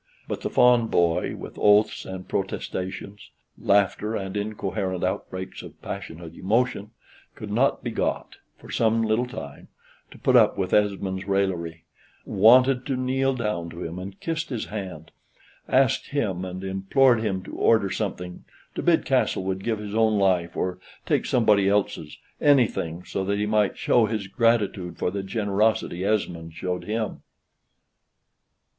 But the fond boy, with oaths and protestations, laughter and incoherent outbreaks of passionate emotion, could not be got, for some little time, to put up with Esmond's raillery; wanted to kneel down to him, and kissed his hand; asked him and implored him to order something, to bid Castlewood give his own life or take somebody else's; anything, so that he might show his gratitude for the generosity Esmond showed him.